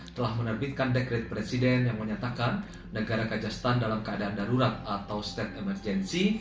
telah menerbitkan dekret presiden yang menyatakan negara kajastan dalam keadaan darurat atau state emergency